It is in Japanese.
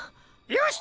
よし！